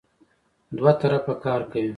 دوه طرفه کار کوي.